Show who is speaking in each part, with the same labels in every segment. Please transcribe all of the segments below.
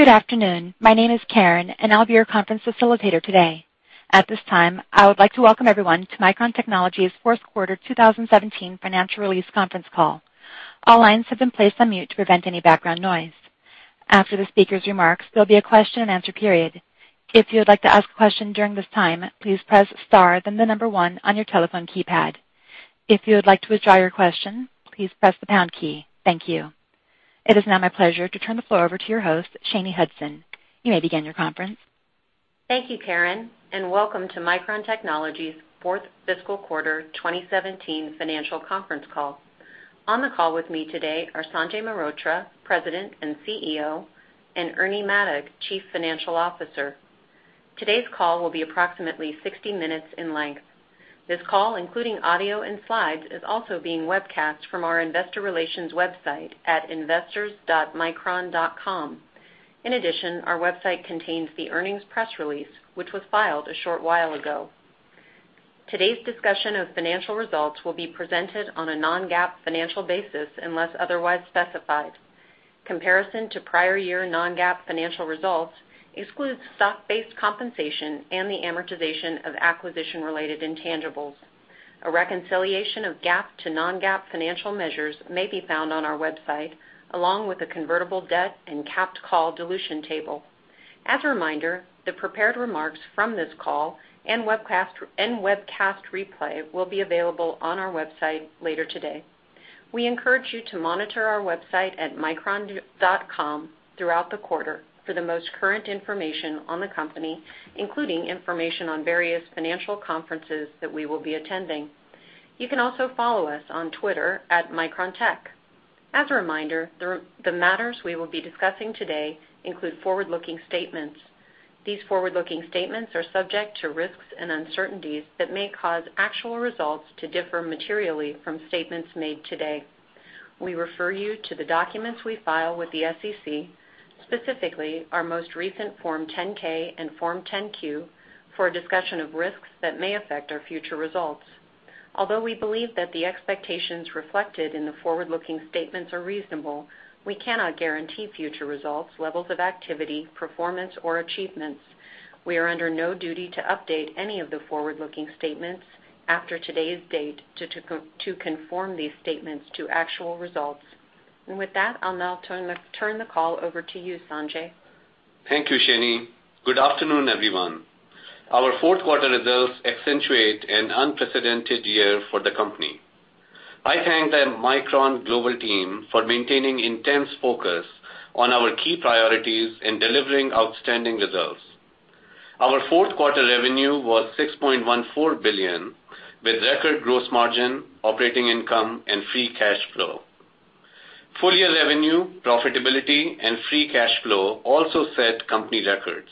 Speaker 1: Good afternoon. My name is Karen, and I'll be your conference facilitator today. At this time, I would like to welcome everyone to Micron Technology's fourth quarter 2017 financial release conference call. All lines have been placed on mute to prevent any background noise. After the speaker's remarks, there'll be a question and answer period. If you would like to ask a question during this time, please press star, then the number 1 on your telephone keypad. If you would like to withdraw your question, please press the pound key. Thank you. It is now my pleasure to turn the floor over to your host, Shanye Hudson. You may begin your conference.
Speaker 2: Thank you, Karen, and welcome to Micron Technology's fourth fiscal quarter 2017 financial conference call. On the call with me today are Sanjay Mehrotra, President and CEO, and Ernie Maddock, Chief Financial Officer. Today's call will be approximately 60 minutes in length. This call, including audio and slides, is also being webcast from our investor relations website at investors.micron.com. In addition, our website contains the earnings press release, which was filed a short while ago. Today's discussion of financial results will be presented on a non-GAAP financial basis unless otherwise specified. Comparison to prior year non-GAAP financial results excludes stock-based compensation and the amortization of acquisition-related intangibles. A reconciliation of GAAP to non-GAAP financial measures may be found on our website, along with a convertible debt and capped call dilution table. As a reminder, the prepared remarks from this call and webcast replay will be available on our website later today. We encourage you to monitor our website at micron.com throughout the quarter for the most current information on the company, including information on various financial conferences that we will be attending. You can also follow us on Twitter at MicronTech. As a reminder, the matters we will be discussing today include forward-looking statements. These forward-looking statements are subject to risks and uncertainties that may cause actual results to differ materially from statements made today. We refer you to the documents we file with the SEC, specifically our most recent Form 10-K and Form 10-Q, for a discussion of risks that may affect our future results. Although we believe that the expectations reflected in the forward-looking statements are reasonable, we cannot guarantee future results, levels of activity, performance, or achievements. We are under no duty to update any of the forward-looking statements after today's date to conform these statements to actual results. With that, I'll now turn the call over to you, Sanjay.
Speaker 3: Thank you, Shanye. Good afternoon, everyone. Our fourth quarter results accentuate an unprecedented year for the company. I thank the Micron global team for maintaining intense focus on our key priorities in delivering outstanding results. Our fourth quarter revenue was $6.14 billion, with record gross margin, operating income, and free cash flow. Full-year revenue, profitability, and free cash flow also set company records.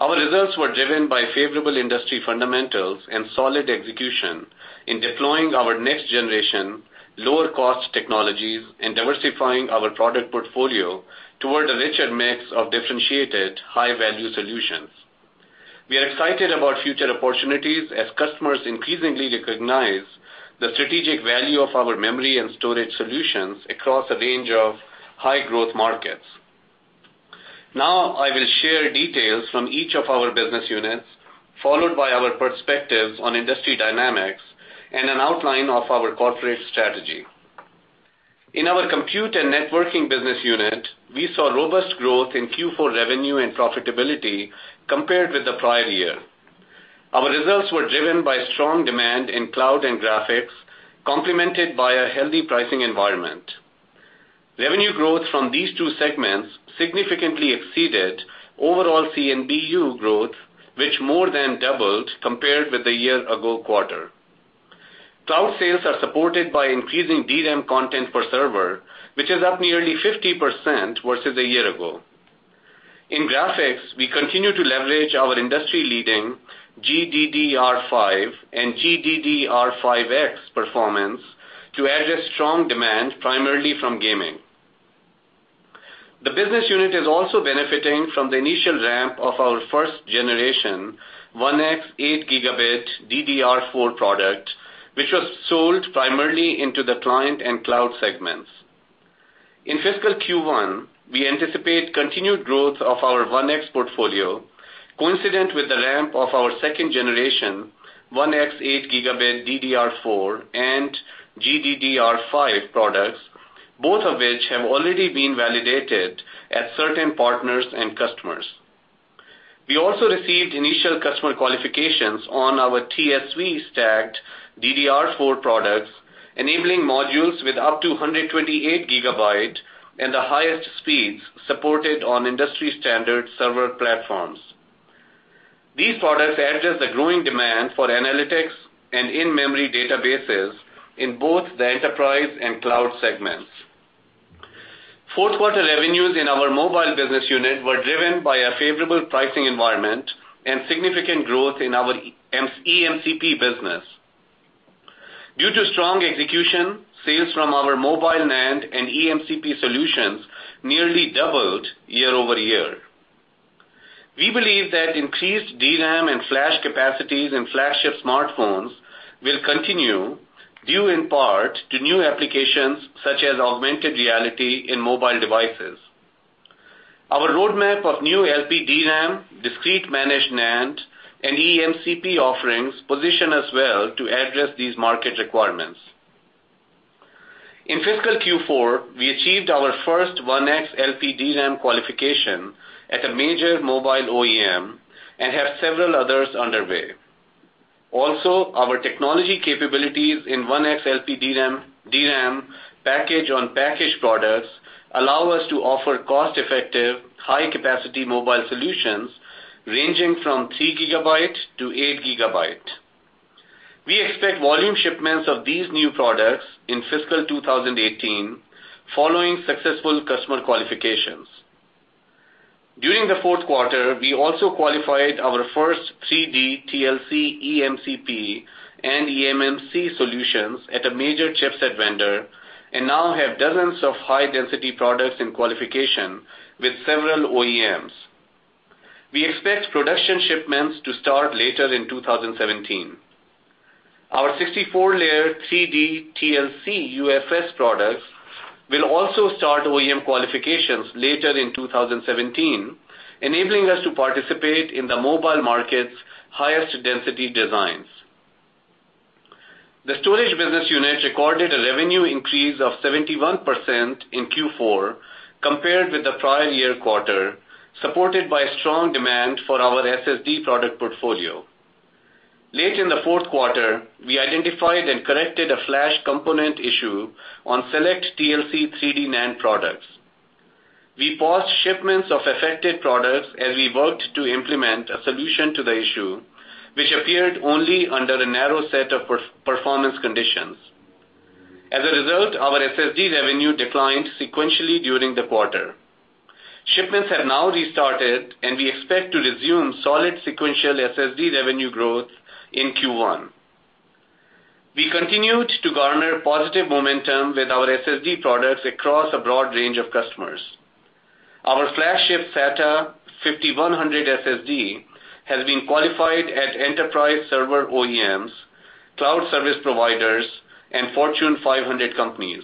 Speaker 3: Our results were driven by favorable industry fundamentals and solid execution in deploying our next-generation lower-cost technologies and diversifying our product portfolio toward a richer mix of differentiated high-value solutions. We are excited about future opportunities as customers increasingly recognize the strategic value of our memory and storage solutions across a range of high-growth markets. Now I will share details from each of our business units, followed by our perspectives on industry dynamics and an outline of our corporate strategy. In our Compute and Networking Business Unit, we saw robust growth in Q4 revenue and profitability compared with the prior year. Our results were driven by strong demand in cloud and graphics, complemented by a healthy pricing environment. Revenue growth from these two segments significantly exceeded overall CNBU growth, which more than doubled compared with the year-ago quarter. Cloud sales are supported by increasing DRAM content per server, which is up nearly 50% versus a year ago. In graphics, we continue to leverage our industry-leading GDDR5 and GDDR5X performance to address strong demand, primarily from gaming. The business unit is also benefiting from the initial ramp of our first-generation 1x 8-Gigabit DDR4 product, which was sold primarily into the client and cloud segments. In fiscal Q1, we anticipate continued growth of our 1x portfolio, coincident with the ramp of our second generation 1x 8-Gigabit DDR4 and GDDR5 products, both of which have already been validated at certain partners and customers. We also received initial customer qualifications on our TSV stacked DDR4 products, enabling modules with up to 128 GB and the highest speeds supported on industry-standard server platforms. These products address the growing demand for analytics and in-memory databases in both the enterprise and cloud segments. Fourth quarter revenues in our Mobile Business Unit were driven by a favorable pricing environment and significant growth in our eMCP business. Due to strong execution, sales from our mobile NAND and eMCP solutions nearly doubled year-over-year. We believe that increased DRAM and flash capacities in flagship smartphones will continue, due in part to new applications such as augmented reality in mobile devices. Our roadmap of new LP DRAM, discrete managed NAND, and eMCP offerings position us well to address these market requirements. In fiscal Q4, we achieved our first 1x LPDRAM qualification at a major mobile OEM and have several others underway. Also, our technology capabilities in 1x LPDRAM Package on Package products allow us to offer cost-effective, high-capacity mobile solutions ranging from 3 GB to 8 GB. We expect volume shipments of these new products in fiscal 2018, following successful customer qualifications. During the fourth quarter, we also qualified our first 3D TLC eMCP and eMMC solutions at a major chipset vendor and now have dozens of high-density products in qualification with several OEMs. We expect production shipments to start later in 2017. Our 64-layer 3D TLC UFS products will also start OEM qualifications later in 2017, enabling us to participate in the mobile market's highest density designs. The storage business unit recorded a revenue increase of 71% in Q4 compared with the prior year quarter, supported by strong demand for our SSD product portfolio. Late in the fourth quarter, we identified and corrected a flash component issue on select TLC 3D NAND products. We paused shipments of affected products as we worked to implement a solution to the issue, which appeared only under a narrow set of performance conditions. As a result, our SSD revenue declined sequentially during the quarter. Shipments have now restarted, and we expect to resume solid sequential SSD revenue growth in Q1. We continued to garner positive momentum with our SSD products across a broad range of customers. Our flagship SATA 5100 SSD has been qualified at enterprise server OEMs, cloud service providers, and Fortune 500 companies.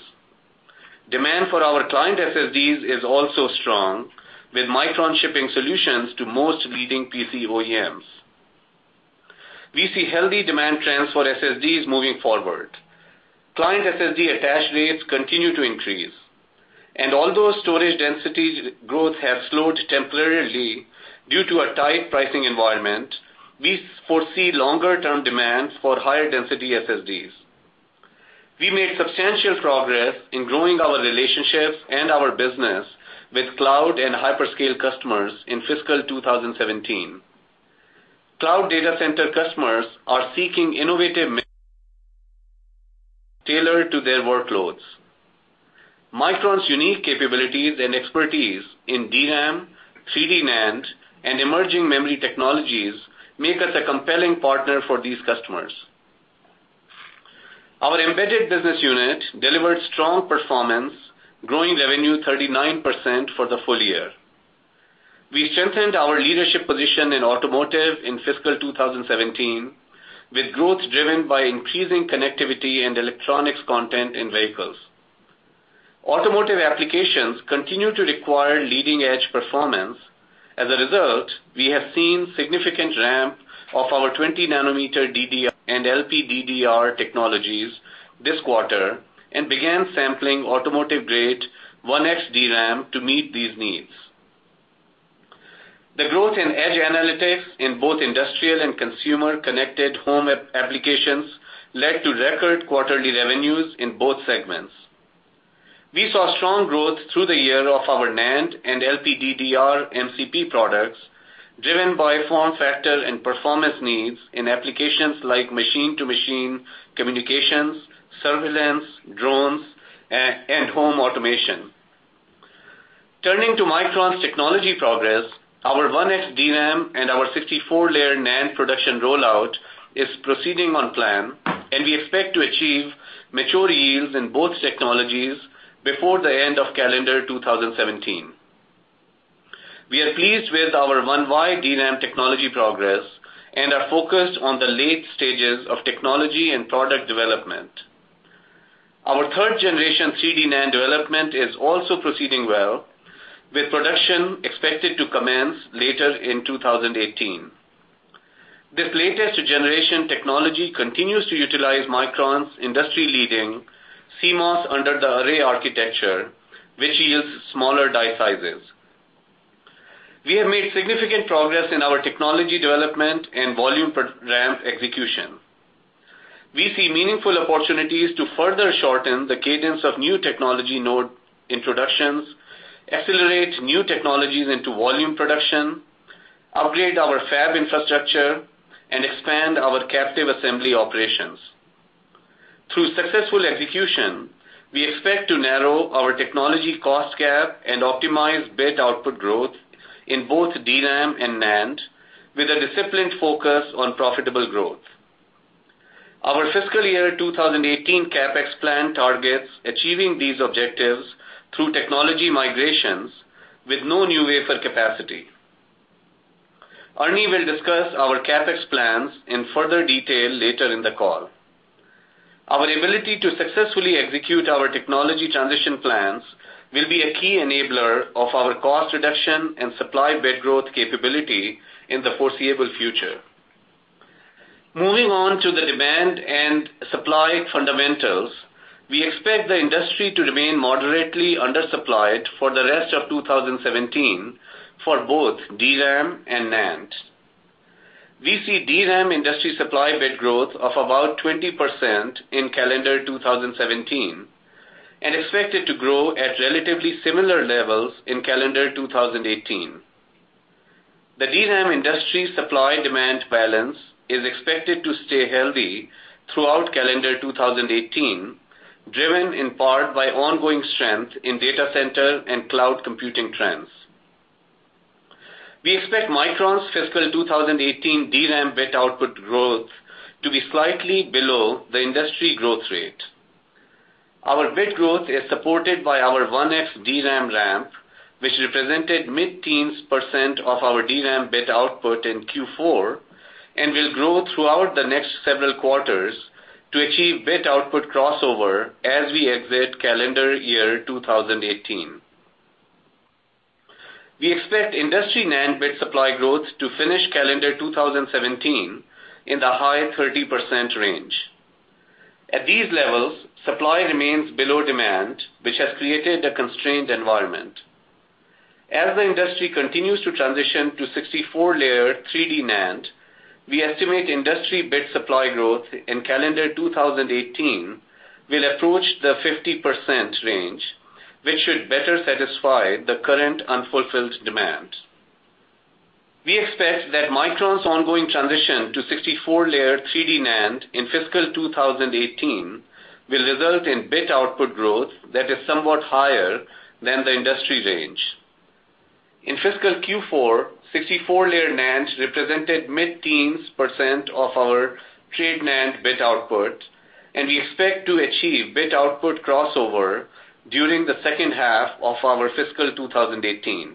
Speaker 3: Demand for our client SSDs is also strong, with Micron shipping solutions to most leading PC OEMs. We see healthy demand trends for SSDs moving forward. Client SSD attach rates continue to increase, and although storage density growth has slowed temporarily due to a tight pricing environment, we foresee longer-term demands for higher density SSDs. We made substantial progress in growing our relationships and our business with cloud and hyperscale customers in fiscal 2017. Cloud data center customers are seeking innovative tailored to their workloads. Micron's unique capabilities and expertise in DRAM, 3D NAND, and emerging memory technologies make us a compelling partner for these customers. Our embedded business unit delivered strong performance, growing revenue 39% for the full year. We strengthened our leadership position in automotive in fiscal 2017, with growth driven by increasing connectivity and electronics content in vehicles. Automotive applications continue to require leading-edge performance. As a result, we have seen significant ramp of our 20 nanometer DDR and LPDDR technologies this quarter and began sampling automotive grade 1X DRAM to meet these needs. The growth in edge analytics in both industrial and consumer connected home applications led to record quarterly revenues in both segments. We saw strong growth through the year of our NAND and LPDDR MCP products, driven by form factor and performance needs in applications like machine-to-machine communications, surveillance, drones, and home automation. Turning to Micron's technology progress, our 1X DRAM and our 64-layer NAND production rollout is proceeding on plan, and we expect to achieve mature yields in both technologies before the end of calendar 2017. We are pleased with our 1Y DRAM technology progress and are focused on the late stages of technology and product development. Our third generation 3D NAND development is also proceeding well, with production expected to commence later in 2018. This latest generation technology continues to utilize Micron's industry-leading CMOS under the array architecture, which yields smaller die sizes. We have made significant progress in our technology development and volume ramp execution. We see meaningful opportunities to further shorten the cadence of new technology node introductions, accelerate new technologies into volume production, upgrade our fab infrastructure, and expand our captive assembly operations. Through successful execution, we expect to narrow our technology cost gap and optimize bit output growth in both DRAM and NAND with a disciplined focus on profitable growth. Our fiscal year 2018 CapEx plan targets achieving these objectives through technology migrations with no new wafer capacity. Ernie will discuss our CapEx plans in further detail later in the call. Our ability to successfully execute our technology transition plans will be a key enabler of our cost reduction and supply bit growth capability in the foreseeable future. Moving on to the demand and supply fundamentals, we expect the industry to remain moderately undersupplied for the rest of 2017 for both DRAM and NAND. We see DRAM industry supply bit growth of about 20% in calendar 2017 and expect it to grow at relatively similar levels in calendar 2018. The DRAM industry supply-demand balance is expected to stay healthy throughout calendar 2018, driven in part by ongoing strength in data center and cloud computing trends. We expect Micron's fiscal 2018 DRAM bit output growth to be slightly below the industry growth rate. Our bit growth is supported by our 1x DRAM ramp, which represented mid-teens % of our DRAM bit output in Q4 and will grow throughout the next several quarters to achieve bit output crossover as we exit calendar year 2018. We expect industry NAND bit supply growth to finish calendar 2017 in the high 30% range. At these levels, supply remains below demand, which has created a constrained environment. As the industry continues to transition to 64-layer 3D NAND, we estimate industry bit supply growth in calendar 2018 will approach the 50% range, which should better satisfy the current unfulfilled demand. We expect that Micron's ongoing transition to 64-layer 3D NAND in fiscal 2018 will result in bit output growth that is somewhat higher than the industry range. In fiscal Q4, 64-layer NAND represented mid-teens % of our trade NAND bit output, and we expect to achieve bit output crossover during the second half of our fiscal 2018.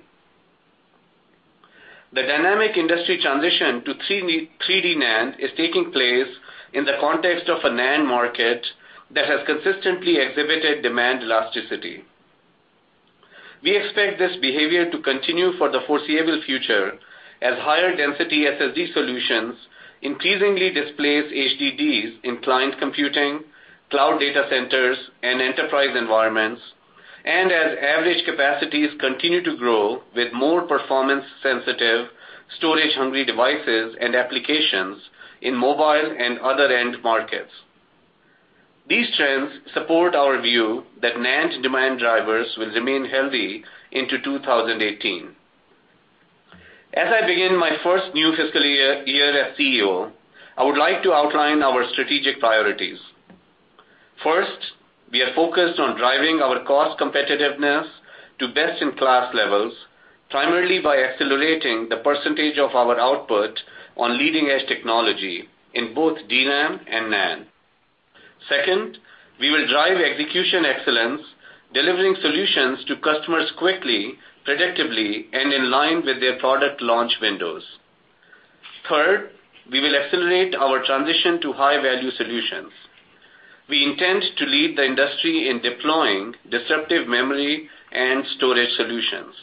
Speaker 3: The dynamic industry transition to 3D NAND is taking place in the context of a NAND market that has consistently exhibited demand elasticity. We expect this behavior to continue for the foreseeable future as higher density SSD solutions increasingly displace HDDs in client computing, cloud data centers, and enterprise environments, as average capacities continue to grow with more performance-sensitive, storage-hungry devices and applications in mobile and other end markets. These trends support our view that NAND demand drivers will remain healthy into 2018. As I begin my first new fiscal year as CEO, I would like to outline our strategic priorities. First, we are focused on driving our cost competitiveness to best-in-class levels, primarily by accelerating the percentage of our output on leading-edge technology in both DRAM and NAND. Second, we will drive execution excellence, delivering solutions to customers quickly, predictably, and in line with their product launch windows. Third, we will accelerate our transition to high-value solutions. We intend to lead the industry in deploying disruptive memory and storage solutions.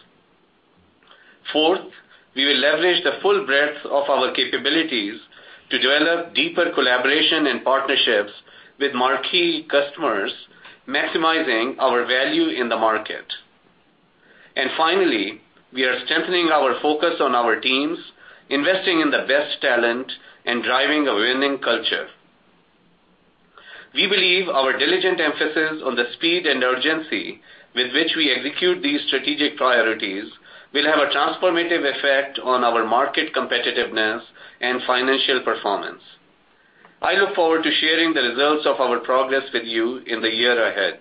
Speaker 3: Fourth, we will leverage the full breadth of our capabilities to develop deeper collaboration and partnerships with marquee customers, maximizing our value in the market. Finally, we are strengthening our focus on our teams, investing in the best talent, and driving a winning culture. We believe our diligent emphasis on the speed and urgency with which we execute these strategic priorities will have a transformative effect on our market competitiveness and financial performance. I look forward to sharing the results of our progress with you in the year ahead.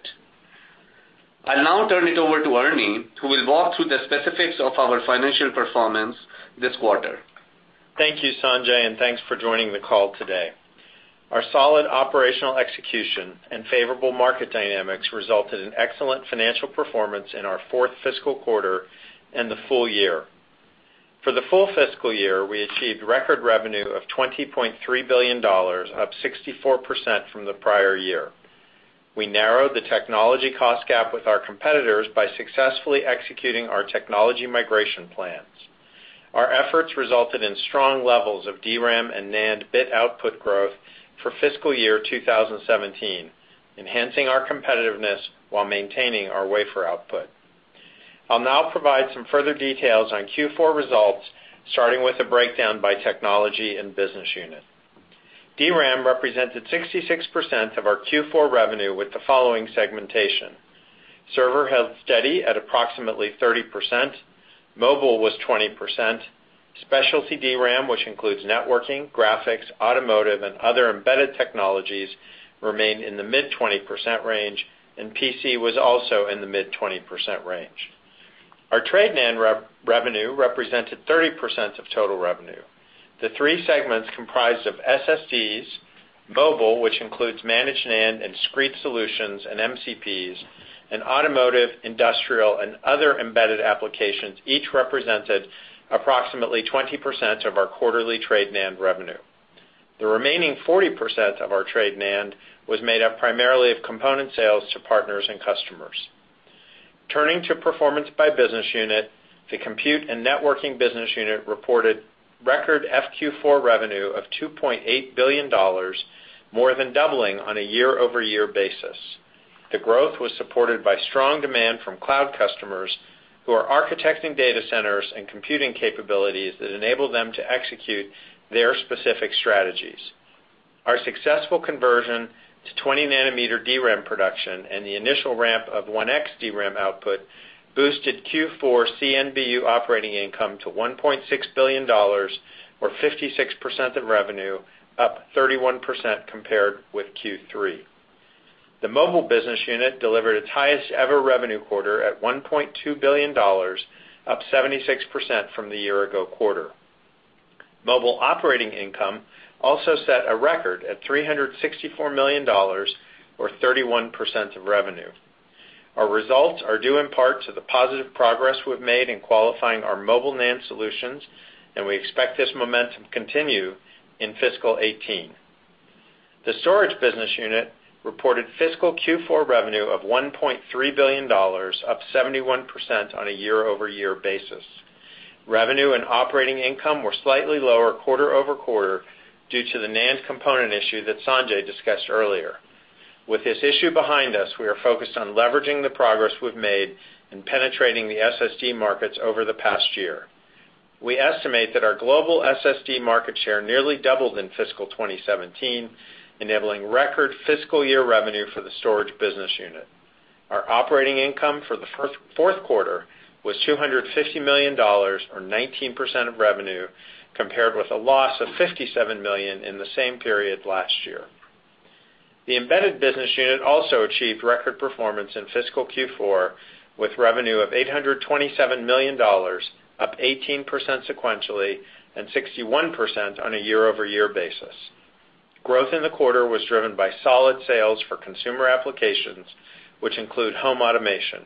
Speaker 3: I'll now turn it over to Ernie, who will walk through the specifics of our financial performance this quarter.
Speaker 4: Thank you, Sanjay, and thanks for joining the call today. Our solid operational execution and favorable market dynamics resulted in excellent financial performance in our fourth fiscal quarter and the full year. For the full fiscal year, we achieved record revenue of $20.3 billion, up 64% from the prior year. We narrowed the technology cost gap with our competitors by successfully executing our technology migration plans. Our efforts resulted in strong levels of DRAM and NAND bit output growth for fiscal year 2017, enhancing our competitiveness while maintaining our wafer output. I'll now provide some further details on Q4 results, starting with a breakdown by technology and business unit. DRAM represented 66% of our Q4 revenue, with the following segmentation. Server held steady at approximately 30%, mobile was 20%, specialty DRAM, which includes networking, graphics, automotive, and other embedded technologies, remained in the mid-20% range, and PC was also in the mid-20% range. Our trade NAND revenue represented 30% of total revenue. The three segments comprised of SSDs, mobile, which includes managed NAND and discrete solutions, and MCPs, and automotive, industrial, and other embedded applications, each represented approximately 20% of our quarterly trade NAND revenue. The remaining 40% of our trade NAND was made up primarily of component sales to partners and customers. Turning to performance by business unit, the Compute and Networking Business Unit reported record FQ4 revenue of $2.8 billion, more than doubling on a year-over-year basis. The growth was supported by strong demand from cloud customers who are architecting data centers and computing capabilities that enable them to execute their specific strategies. Our successful conversion to 20 nanometer DRAM production and the initial ramp of 1X DRAM output boosted Q4 CNBU operating income to $1.6 billion, or 56% of revenue, up 31% compared with Q3. The mobile business unit delivered its highest-ever revenue quarter at $1.2 billion, up 76% from the year ago quarter. Mobile operating income also set a record at $364 million, or 31% of revenue. Our results are due in part to the positive progress we've made in qualifying our mobile NAND solutions, and we expect this momentum to continue in fiscal 2018. The storage business unit reported fiscal Q4 revenue of $1.3 billion, up 71% on a year-over-year basis. Revenue and operating income were slightly lower quarter-over-quarter due to the NAND component issue that Sanjay discussed earlier. With this issue behind us, we are focused on leveraging the progress we've made in penetrating the SSD markets over the past year. We estimate that our global SSD market share nearly doubled in fiscal 2017, enabling record fiscal year revenue for the storage business unit. Our operating income for the fourth quarter was $250 million, or 19% of revenue, compared with a loss of $57 million in the same period last year. The embedded business unit also achieved record performance in fiscal Q4, with revenue of $827 million, up 18% sequentially and 61% on a year-over-year basis. Growth in the quarter was driven by solid sales for consumer applications, which include home automation.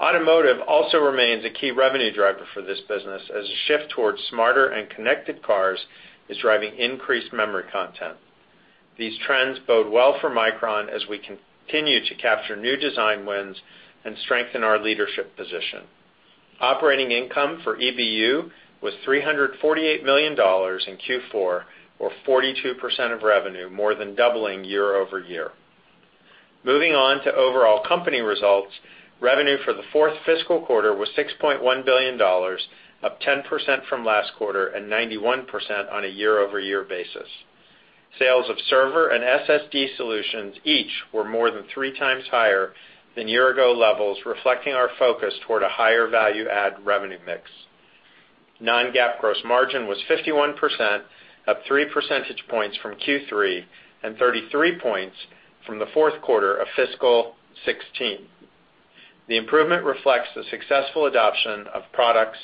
Speaker 4: Automotive also remains a key revenue driver for this business, as a shift towards smarter and connected cars is driving increased memory content. These trends bode well for Micron as we continue to capture new design wins and strengthen our leadership position. Operating income for EBU was $348 million in Q4, or 42% of revenue, more than doubling year-over-year. Moving on to overall company results, revenue for the fourth fiscal quarter was $6.1 billion, up 10% from last quarter and 91% on a year-over-year basis. Sales of server and SSD solutions each were more than three times higher than year-ago levels, reflecting our focus toward a higher value add revenue mix. Non-GAAP gross margin was 51%, up three percentage points from Q3, and 33 points from the fourth quarter of fiscal 2016. The improvement reflects the successful adoption of products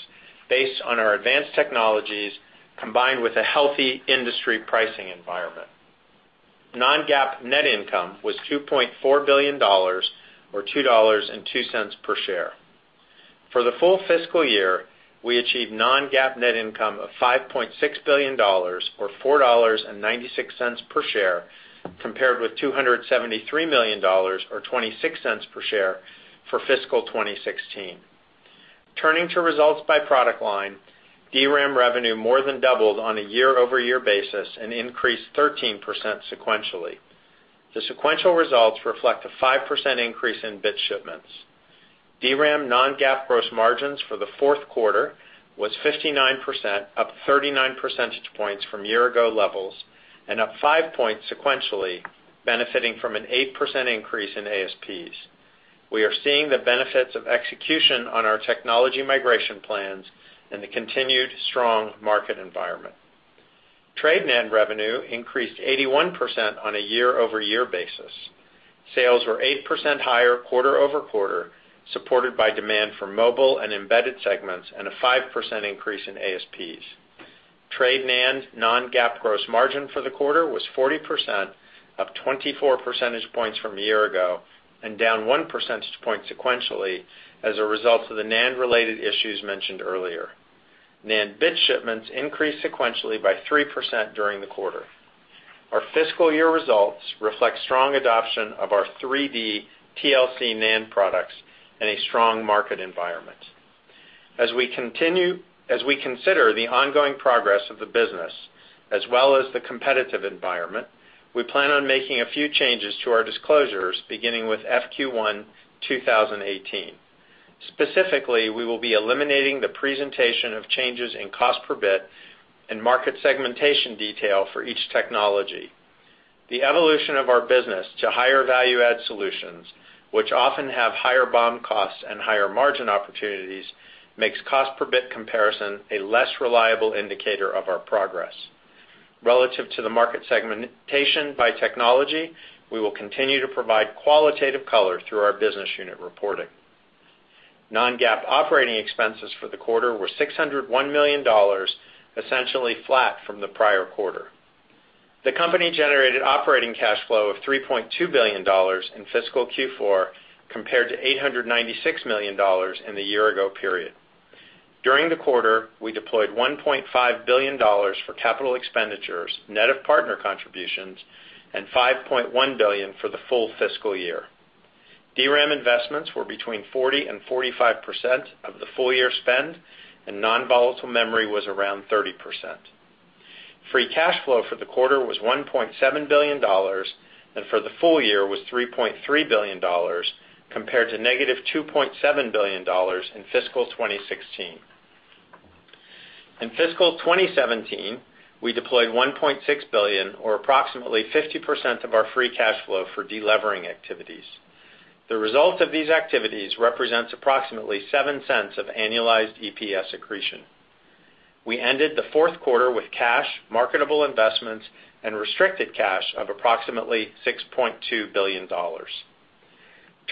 Speaker 4: based on our advanced technologies, combined with a healthy industry pricing environment. Non-GAAP net income was $2.4 billion, or $2.02 per share. For the full fiscal year, we achieved non-GAAP net income of $5.6 billion, or $4.96 per share, compared with $273 million, or $0.26 per share for fiscal 2016. Turning to results by product line, DRAM revenue more than doubled on a year-over-year basis and increased 13% sequentially. The sequential results reflect a 5% increase in bit shipments. DRAM non-GAAP gross margins for the fourth quarter was 59%, up 39 percentage points from year-ago levels, and up five points sequentially, benefiting from an 8% increase in ASPs. We are seeing the benefits of execution on our technology migration plans and the continued strong market environment. Trade NAND revenue increased 81% on a year-over-year basis. Sales were 8% higher quarter-over-quarter, supported by demand for mobile and embedded segments, and a 5% increase in ASPs. Trade NAND non-GAAP gross margin for the quarter was 40%, up 24 percentage points from a year-ago, and down one percentage point sequentially as a result of the NAND-related issues mentioned earlier. NAND bit shipments increased sequentially by 3% during the quarter. Our fiscal year results reflect strong adoption of our 3D TLC NAND products in a strong market environment. As we consider the ongoing progress of the business, as well as the competitive environment, we plan on making a few changes to our disclosures, beginning with FQ1 2018. Specifically, we will be eliminating the presentation of changes in cost per bit and market segmentation detail for each technology. The evolution of our business to higher value add solutions, which often have higher BOM costs and higher margin opportunities, makes cost per bit comparison a less reliable indicator of our progress. Relative to the market segmentation by technology, we will continue to provide qualitative color through our business unit reporting. Non-GAAP operating expenses for the quarter were $601 million, essentially flat from the prior quarter. The company generated operating cash flow of $3.2 billion in fiscal Q4, compared to $896 million in the year ago period. During the quarter, we deployed $1.5 billion for capital expenditures, net of partner contributions, and $5.1 billion for the full fiscal year. DRAM investments were between 40%-45% of the full-year spend, and non-volatile memory was around 30%. Free cash flow for the quarter was $1.7 billion, and for the full year was $3.3 billion, compared to negative $2.7 billion in fiscal 2016. In fiscal 2017, we deployed $1.6 billion or approximately 50% of our free cash flow for de-levering activities. The result of these activities represents approximately $0.07 of annualized EPS accretion. We ended the fourth quarter with cash, marketable investments, and restricted cash of approximately $6.2 billion.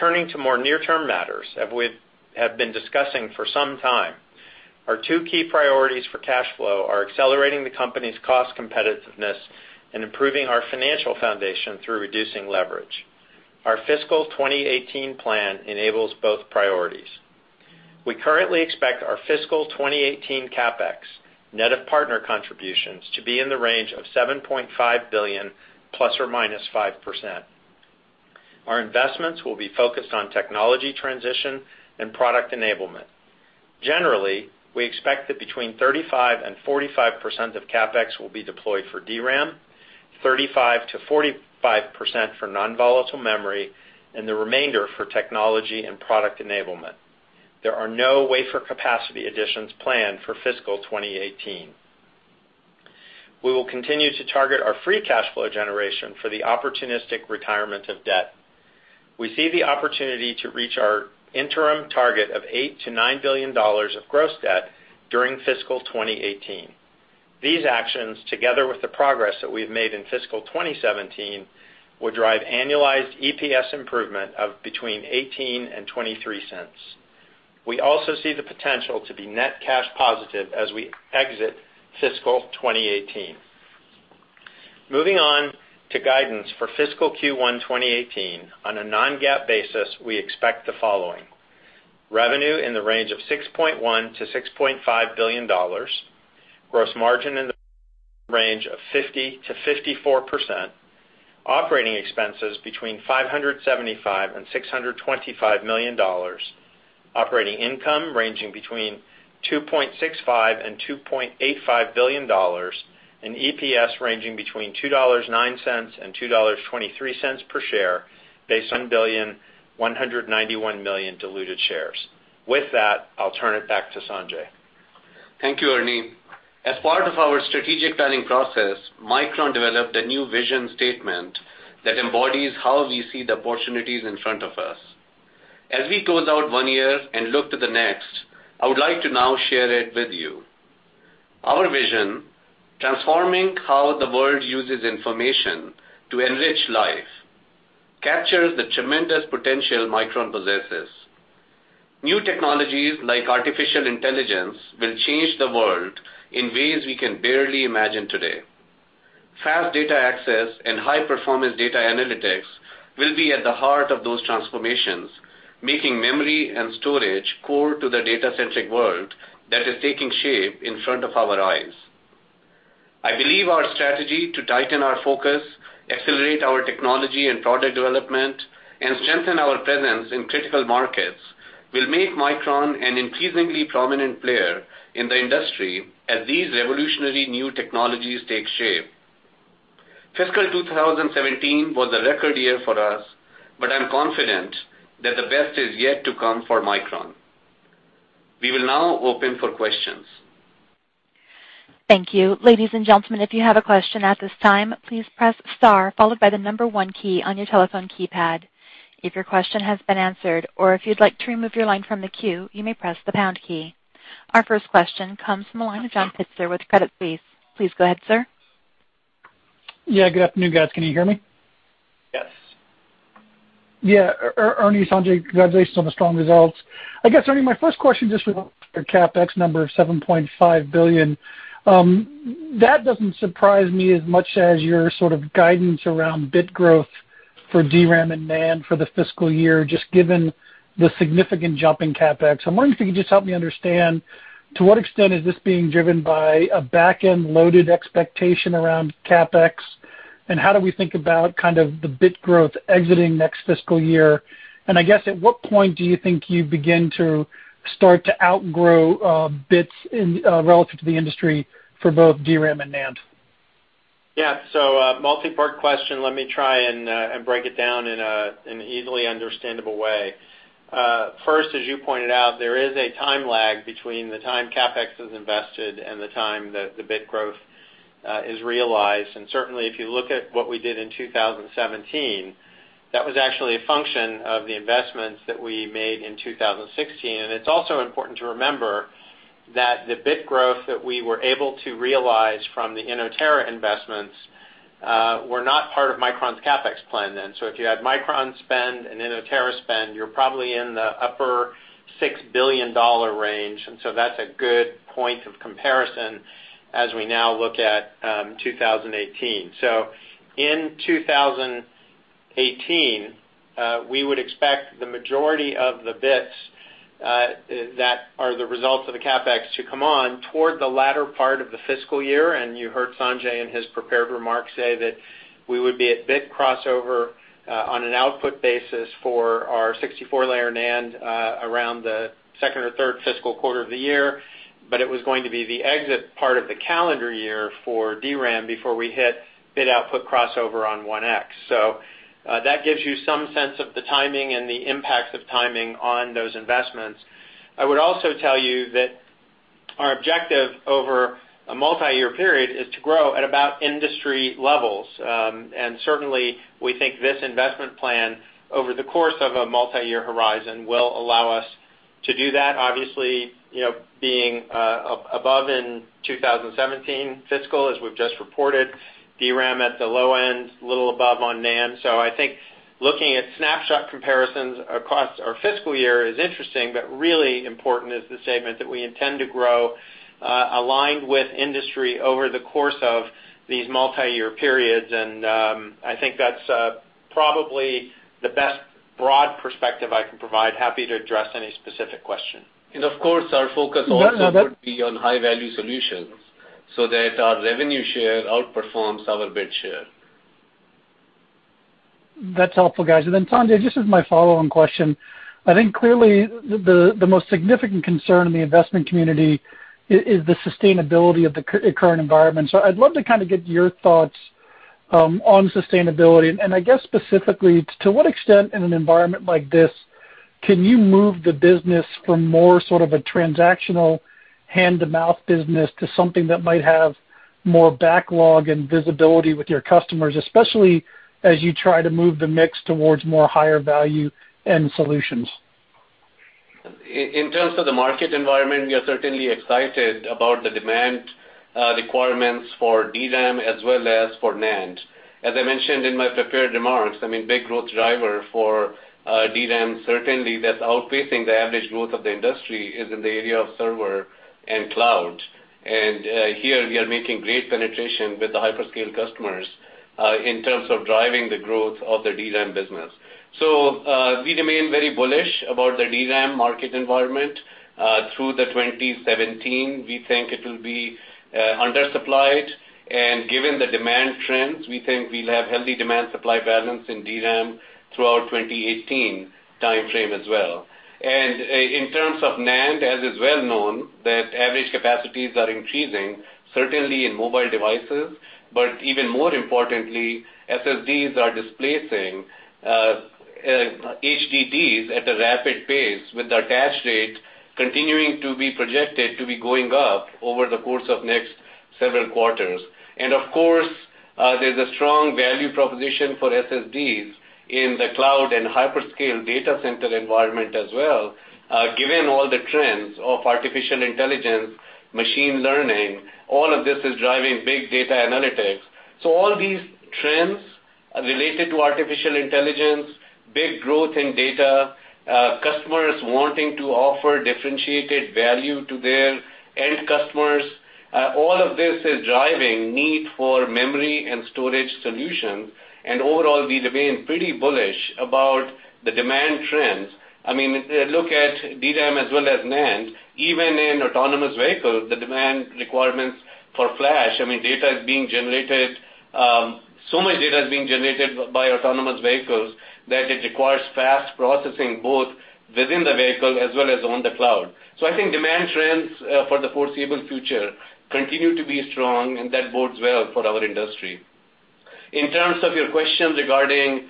Speaker 4: Turning to more near-term matters, as we have been discussing for some time, our two key priorities for cash flow are accelerating the company's cost competitiveness and improving our financial foundation through reducing leverage. Our fiscal 2018 plan enables both priorities. We currently expect our fiscal 2018 CapEx, net of partner contributions, to be in the range of $7.5 billion ±5%. Our investments will be focused on technology transition and product enablement. Generally, we expect that between 35%-45% of CapEx will be deployed for DRAM, 35%-45% for non-volatile memory, and the remainder for technology and product enablement. There are no wafer capacity additions planned for fiscal 2018. We will continue to target our free cash flow generation for the opportunistic retirement of debt. We see the opportunity to reach our interim target of $8 billion-$9 billion of gross debt during fiscal 2018. These actions, together with the progress that we've made in fiscal 2017, will drive annualized EPS improvement of between $0.18-$0.23. We also see the potential to be net cash positive as we exit fiscal 2018. Moving on to guidance for fiscal Q1 2018. On a non-GAAP basis, we expect the following: Revenue in the range of $6.1 billion-$6.5 billion. Gross margin in the range of 50%-54%. Operating expenses between $575 million-$625 million. Operating income ranging between $2.65 billion-$2.85 billion. EPS ranging between $2.09-$2.23 per share based on 1,191 million diluted shares. With that, I'll turn it back to Sanjay.
Speaker 3: Thank you, Ernie. As part of our strategic planning process, Micron developed a new vision statement that embodies how we see the opportunities in front of us. As we close out one year and look to the next, I would like to now share it with you. Our vision, transforming how the world uses information to enrich life, captures the tremendous potential Micron possesses. New technologies like artificial intelligence will change the world in ways we can barely imagine today. Fast data access and high-performance data analytics will be at the heart of those transformations, making memory and storage core to the data-centric world that is taking shape in front of our eyes. I believe our strategy to tighten our focus, accelerate our technology and product development, and strengthen our presence in critical markets will make Micron an increasingly prominent player in the industry as these revolutionary new technologies take shape. Fiscal 2017 was a record year for us, but I'm confident that the best is yet to come for Micron. We will now open for questions.
Speaker 1: Thank you. Ladies and gentlemen, if you have a question at this time, please press star followed by the number 1 key on your telephone keypad. If your question has been answered or if you'd like to remove your line from the queue, you may press the pound key. Our first question comes from the line of John Pitzer with Credit Suisse. Please go ahead, sir.
Speaker 5: Yeah, good afternoon, guys. Can you hear me?
Speaker 3: Yes.
Speaker 5: Yeah. Ernie, Sanjay, congratulations on the strong results. I guess, Ernie, my first question just with the CapEx number of $7.5 billion. That doesn't surprise me as much as your sort of guidance around bit growth for DRAM and NAND for the fiscal year, just given the significant jump in CapEx. I'm wondering if you could just help me understand to what extent is this being driven by a back-end loaded expectation around CapEx, and how do we think about the bit growth exiting next fiscal year? I guess at what point do you think you begin to start to outgrow bits relative to the industry for both DRAM and NAND?
Speaker 4: Yeah. Multi-part question. Let me try and break it down in an easily understandable way. First, as you pointed out, there is a time lag between the time CapEx is invested and the time that the bit growth is realized. Certainly, if you look at what we did in 2017, that was actually a function of the investments that we made in 2016. It's also important to remember that the bit growth that we were able to realize from the Inotera investments were not part of Micron's CapEx plan then. If you had Micron spend and Inotera spend, you're probably in the upper $6 billion range, and that's a good point of comparison as we now look at 2018. In 2018, we would expect the majority of the bits that are the results of the CapEx to come on toward the latter part of the fiscal year. You heard Sanjay in his prepared remarks say that we would be at bit crossover on an output basis for our 64-layer 3D NAND around the second or third fiscal quarter of the year, but it was going to be the exit part of the calendar year for DRAM before we hit bit output crossover on 1x DRAM. That gives you some sense of the timing and the impacts of timing on those investments. I would also tell you that our objective over a multi-year period is to grow at about industry levels. Certainly, we think this investment plan, over the course of a multi-year horizon, will allow us to do that. Obviously, being above in 2017 fiscal, as we've just reported, DRAM at the low end, little above on NAND. I think looking at snapshot comparisons across our fiscal year is interesting, but really important is the statement that we intend to grow aligned with industry over the course of these multi-year periods. I think that's probably the best broad perspective I can provide. Happy to address any specific question.
Speaker 3: Of course, our focus also would be on high-value solutions so that our revenue share outperforms our bit share.
Speaker 5: That's helpful, guys. Sanjay, this is my follow-on question. I think clearly the most significant concern in the investment community is the sustainability of the current environment. I'd love to get your thoughts on sustainability. I guess specifically, to what extent in an environment like this can you move the business from more sort of a transactional hand-to-mouth business to something that might have more backlog and visibility with your customers, especially as you try to move the mix towards more higher value end solutions?
Speaker 3: In terms of the market environment, we are certainly excited about the demand requirements for DRAM as well as for NAND. As I mentioned in my prepared remarks, big growth driver for DRAM, certainly that's outpacing the average growth of the industry, is in the area of server and cloud. Here we are making great penetration with the hyperscale customers in terms of driving the growth of the DRAM business. We remain very bullish about the DRAM market environment through 2017. We think it'll be undersupplied, given the demand trends, we think we'll have healthy demand supply balance in DRAM throughout 2018 timeframe as well. In terms of NAND, as is well known, that average capacities are increasing, certainly in mobile devices, but even more importantly, SSDs are displacing HDDs at a rapid pace, with attach rate continuing to be projected to be going up over the course of next several quarters. Of course, there's a strong value proposition for SSDs in the cloud and hyperscale data center environment as well, given all the trends of artificial intelligence, machine learning, all of this is driving big data analytics. All these trends related to artificial intelligence, big growth in data, customers wanting to offer differentiated value to their end customers, all of this is driving need for memory and storage solutions. Overall, we remain pretty bullish about the demand trends. Look at DRAM as well as NAND. Even in autonomous vehicles, the demand requirements for flash, data is being generated. Much data is being generated by autonomous vehicles that it requires fast processing, both within the vehicle as well as on the cloud. I think demand trends for the foreseeable future continue to be strong, and that bodes well for our industry. In terms of your question regarding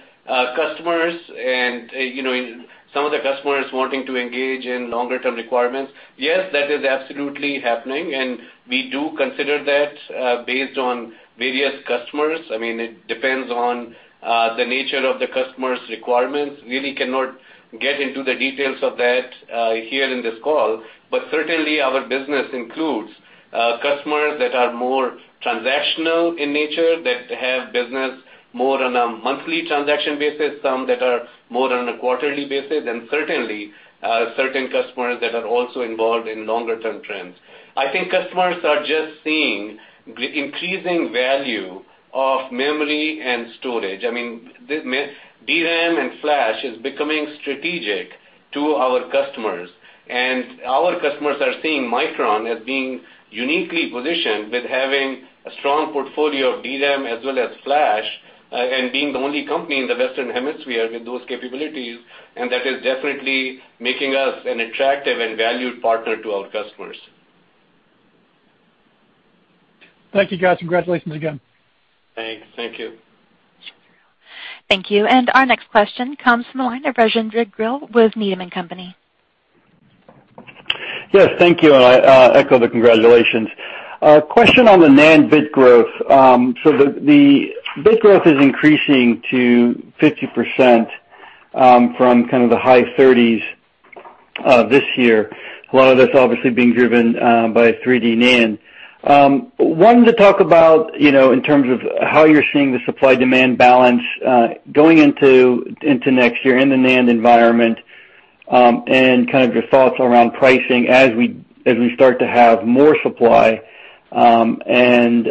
Speaker 3: customers and some of the customers wanting to engage in longer-term requirements, yes, that is absolutely happening, and we do consider that based on various customers. It depends on the nature of the customer's requirements. Really cannot get into the details of that here in this call. Certainly, our business includes customers that are more transactional in nature, that have business more on a monthly transaction basis, some that are more on a quarterly basis, and certainly, certain customers that are also involved in longer-term trends. I think customers are just seeing increasing value of memory and storage. DRAM and flash is becoming strategic to our customers. Our customers are seeing Micron as being uniquely positioned with having a strong portfolio of DRAM as well as flash, being the only company in the Western Hemisphere with those capabilities, and that is definitely making us an attractive and valued partner to our customers.
Speaker 5: Thank you, guys. Congratulations again.
Speaker 4: Thanks. Thank you.
Speaker 1: Thank you. Our next question comes from the line of Rajvindra Gill with Needham & Company.
Speaker 6: Yes, thank you, and I echo the congratulations. A question on the NAND bit growth. The bit growth is increasing to 50% from the high 30s this year. A lot of this obviously being driven by 3D NAND. I wanted to talk about, in terms of how you're seeing the supply-demand balance going into next year in the NAND environment, and your thoughts around pricing as we start to have more supply, and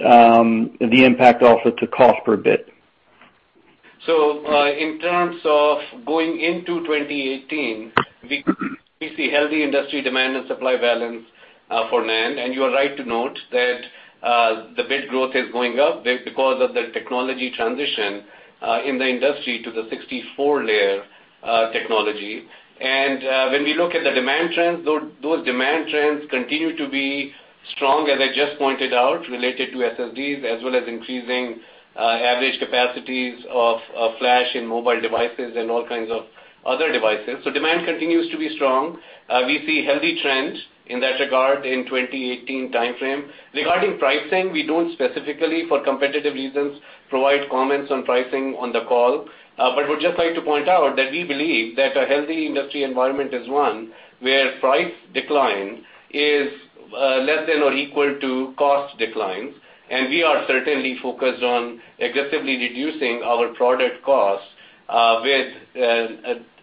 Speaker 6: the impact also to cost per bit.
Speaker 3: In terms of going into 2018, we see healthy industry demand and supply balance for NAND. You are right to note that the bit growth is going up because of the technology transition in the industry to the 64-layer technology. When we look at the demand trends, those demand trends continue to be strong, as I just pointed out, related to SSDs as well as increasing average capacities of Flash in mobile devices and all kinds of other devices. Demand continues to be strong. We see healthy trends in that regard in 2018 timeframe. Regarding pricing, we don't specifically, for competitive reasons, provide comments on pricing on the call. We would just like to point out that we believe that a healthy industry environment is one where price decline is less than or equal to cost declines, and we are certainly focused on aggressively reducing our product costs with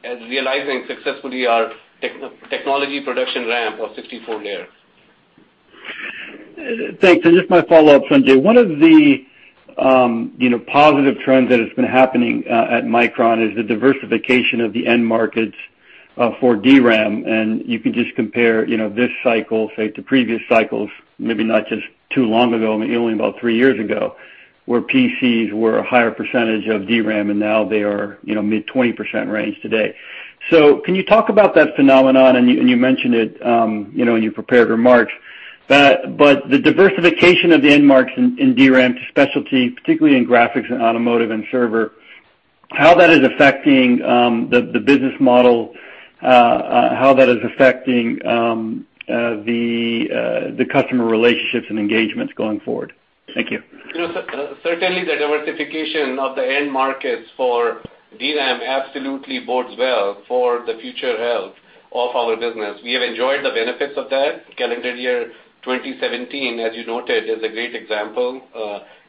Speaker 3: realizing successfully our technology production ramp of 64 layers.
Speaker 6: Thanks. Just my follow-up, Sanjay, one of the positive trends that has been happening at Micron is the diversification of the end markets for DRAM. You can just compare this cycle, say, to previous cycles, maybe not just too long ago, maybe only about three years ago, where PCs were a higher percentage of DRAM, and now they are mid-20% range today. Can you talk about that phenomenon, and you mentioned it in your prepared remarks, but the diversification of the end markets in DRAM to specialty, particularly in graphics and automotive and server, how that is affecting the business model, how that is affecting the customer relationships and engagements going forward. Thank you.
Speaker 3: Certainly the diversification of the end markets for DRAM absolutely bodes well for the future health of our business. We have enjoyed the benefits of that. Calendar year 2017, as you noted, is a great example.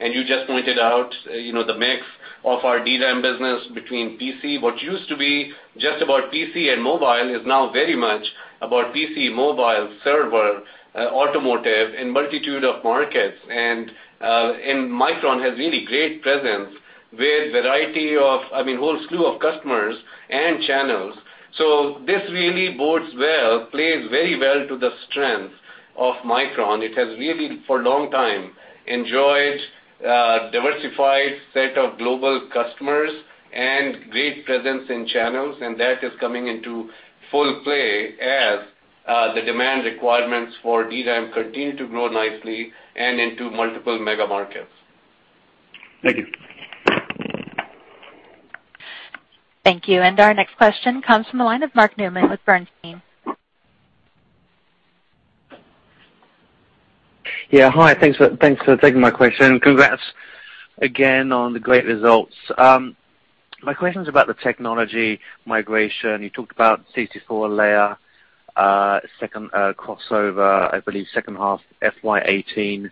Speaker 3: You just pointed out the mix of our DRAM business between PC, what used to be just about PC and mobile, is now very much about PC, mobile, server, automotive and multitude of markets. Micron has really great presence with a whole slew of customers and channels. This really bodes well, plays very well to the strength of Micron. It has really, for a long time, enjoyed a diversified set of global customers and great presence in channels, and that is coming into full play as the demand requirements for DRAM continue to grow nicely and into multiple mega markets.
Speaker 6: Thank you.
Speaker 1: Thank you. Our next question comes from the line of Mark Newman with Bernstein.
Speaker 7: Yeah. Hi, thanks for taking my question. Congrats again on the great results. My question's about the technology migration. You talked about 64-layer, second crossover, I believe second half FY 2018.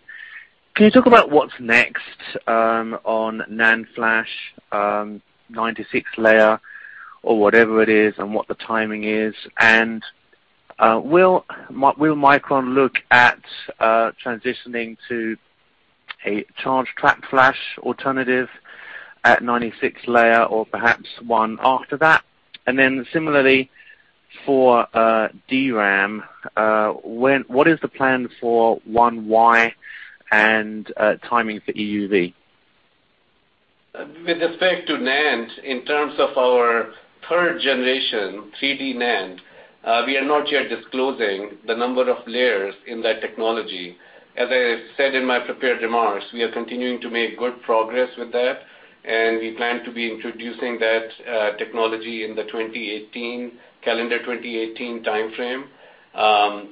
Speaker 7: Can you talk about what's next on NAND flash 96-layer or whatever it is, and what the timing is? Will Micron look at transitioning to a charge trap flash alternative at 96-layer or perhaps one after that? Then similarly for DRAM, what is the plan for 1y and timing for EUV?
Speaker 3: With respect to NAND, in terms of our third-generation 3D NAND, we are not yet disclosing the number of layers in that technology. As I said in my prepared remarks, we are continuing to make good progress with that, we plan to be introducing that technology in the calendar 2018 timeframe,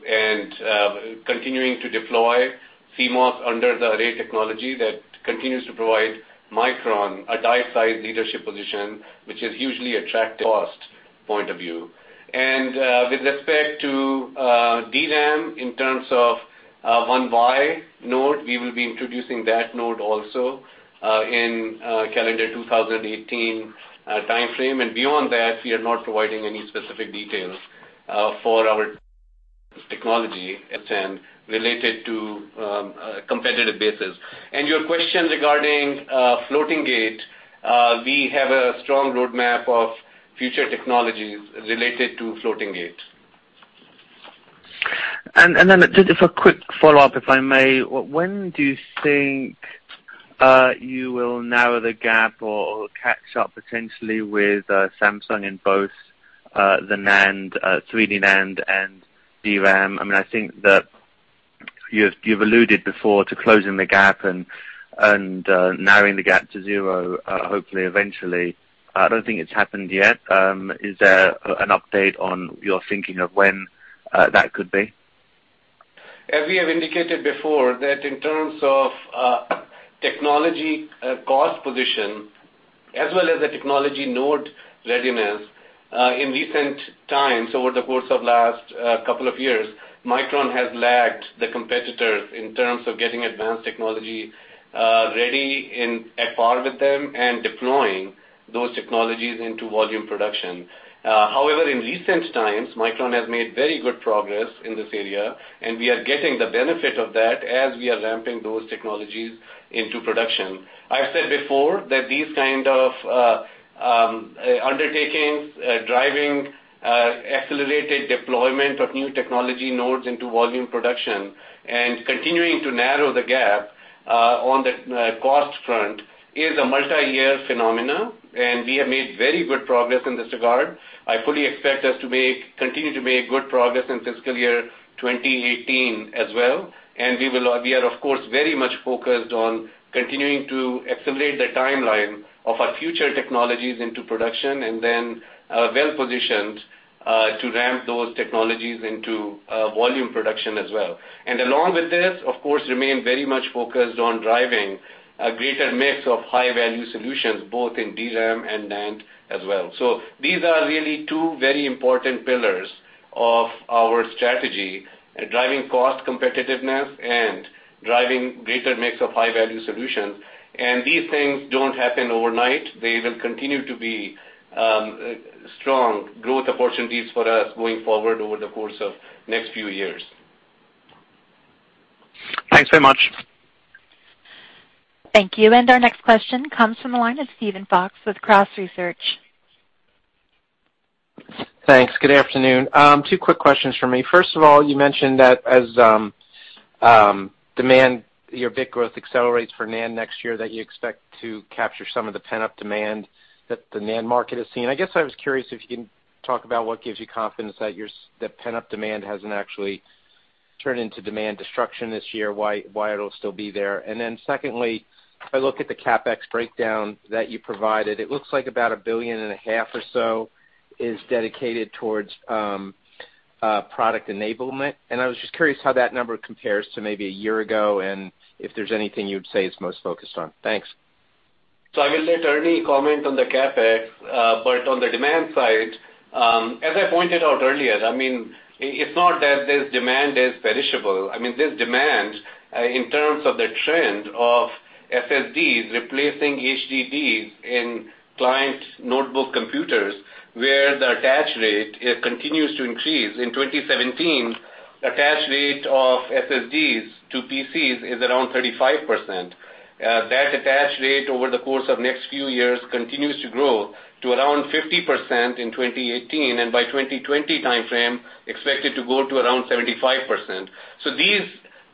Speaker 3: and continuing to deploy CMOS under array technology that continues to provide Micron a die-size leadership position, which is hugely attractive cost point of view. With respect to DRAM in terms of 1y node, we will be introducing that node also in calendar 2018 timeframe. Beyond that, we are not providing any specific details for our technology at 10 related to competitive basis. Your question regarding floating gate, we have a strong roadmap of future technologies related to floating gate.
Speaker 7: Just a quick follow-up, if I may. When do you think you will narrow the gap or catch up potentially with Samsung in both the 3D NAND and DRAM? You've alluded before to closing the gap and narrowing the gap to zero, hopefully eventually. I don't think it's happened yet. Is there an update on your thinking of when that could be?
Speaker 3: As we have indicated before, that in terms of technology cost position as well as the technology node readiness, in recent times, over the course of last couple of years, Micron has lagged the competitors in terms of getting advanced technology ready and at par with them, and deploying those technologies into volume production. However, in recent times, Micron has made very good progress in this area, we are getting the benefit of that as we are ramping those technologies into production. I've said before that these kind of undertakings, driving accelerated deployment of new technology nodes into volume production and continuing to narrow the gap on the cost front is a multi-year phenomena, we have made very good progress in this regard. I fully expect us to continue to make good progress in fiscal year 2018 as well. We are, of course, very much focused on continuing to accelerate the timeline of our future technologies into production well-positioned to ramp those technologies into volume production as well. Along with this, of course, remain very much focused on driving a greater mix of high-value solutions, both in DRAM and NAND as well. These are really two very important pillars of our strategy, driving cost competitiveness and driving greater mix of high-value solutions. These things don't happen overnight. They will continue to be strong growth opportunities for us going forward over the course of next few years.
Speaker 7: Thanks so much.
Speaker 1: Thank you. Our next question comes from the line of Steven Fox with Cross Research.
Speaker 8: Thanks. Good afternoon. Two quick questions from me. First of all, you mentioned that as demand, your bit growth accelerates for NAND next year, that you expect to capture some of the pent-up demand that the NAND market has seen. I guess I was curious if you can talk about what gives you confidence that pent-up demand hasn't actually turned into demand destruction this year, why it'll still be there. Secondly, if I look at the CapEx breakdown that you provided, it looks like about $1.5 billion or so is dedicated towards product enablement, and I was just curious how that number compares to maybe a year ago and if there's anything you'd say it's most focused on. Thanks.
Speaker 3: I will let Ernie comment on the CapEx. On the demand side, as I pointed out earlier, it's not that this demand is perishable. This demand, in terms of the trend of SSDs replacing HDDs in client notebook computers, where the attach rate continues to increase. In 2017, attach rate of SSDs to PCs is around 35%. That attach rate over the course of next few years continues to grow to around 50% in 2018, and by 2020 timeframe, expected to go to around 75%. These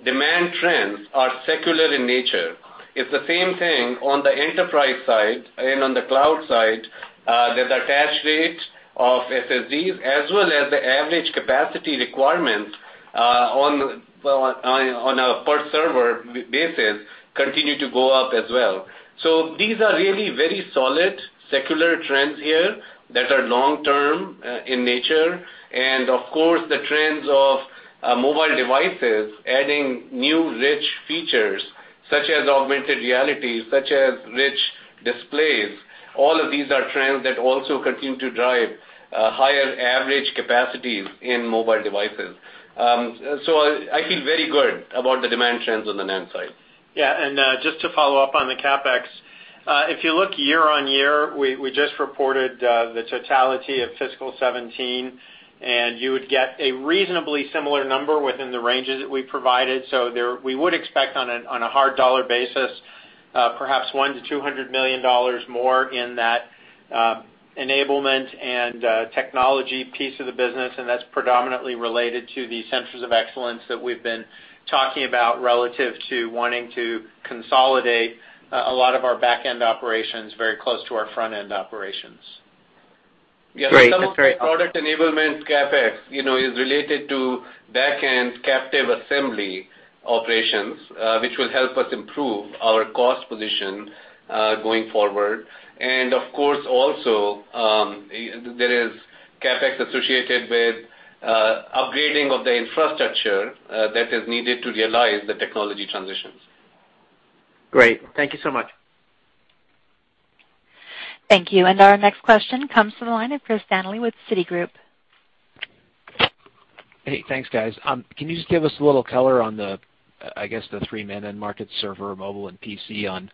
Speaker 3: demand trends are secular in nature. It's the same thing on the enterprise side and on the cloud side, that the attach rate of SSDs as well as the average capacity requirements on a per-server basis continue to go up as well. These are really very solid secular trends here that are long-term in nature. Of course, the trends of mobile devices adding new rich features such as augmented reality, such as rich displays, all of these are trends that also continue to drive higher average capacities in mobile devices. I feel very good about the demand trends on the NAND side.
Speaker 4: Just to follow up on the CapEx. If you look year-over-year, we just reported the totality of fiscal 2017, you would get a reasonably similar number within the ranges that we provided. We would expect on a hard dollar basis, perhaps $100 million-$200 million more in that enablement and technology piece of the business, and that's predominantly related to the centers of excellence that we've been talking about relative to wanting to consolidate a lot of our back-end operations very close to our front-end operations.
Speaker 8: Great.
Speaker 3: Some of the product enablement CapEx is related to back-end captive assembly operations, which will help us improve our cost position going forward. Of course, also, there is CapEx associated with upgrading of the infrastructure that is needed to realize the technology transitions.
Speaker 8: Great. Thank you so much.
Speaker 1: Thank you. Our next question comes to the line of Chris Danely with Citigroup.
Speaker 9: Hey, thanks guys. Can you just give us a little color on the, I guess the three main end market server, mobile, and PC on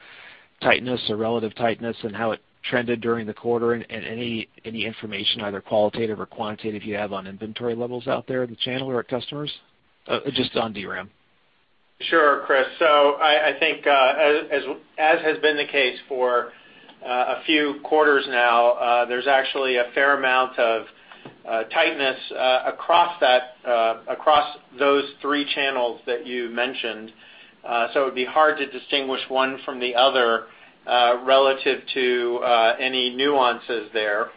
Speaker 9: tightness or relative tightness and how it trended during the quarter, and any information, either qualitative or quantitative you have on inventory levels out there at the channel or at customers, just on DRAM.
Speaker 4: Sure, Chris. I think as has been the case for a few quarters now, there's actually a fair amount of tightness across those three channels that you mentioned. It would be hard to distinguish one from the other, relative to any nuances there.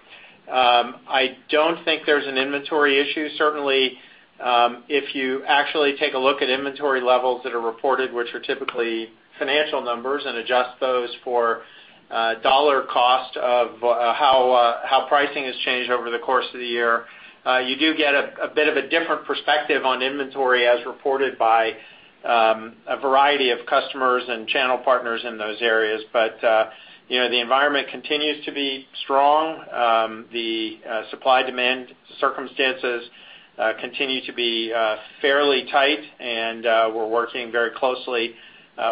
Speaker 4: We don't think there's an inventory issue. Certainly, if you actually take a look at inventory levels that are reported, which are typically financial numbers, and adjust those for dollar cost of how pricing has changed over the course of the year, you do get a bit of a different perspective on inventory as reported by a variety of customers and channel partners in those areas. The environment continues to be strong. The supply-demand circumstances continue to be fairly tight, and we're working very closely